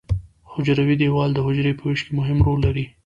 حجروي دیوال د حجرې په ویش کې مهم رول لري.